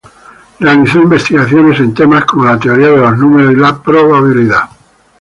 Realizó investigaciones en temas como la teoría de los números y la probabilidad.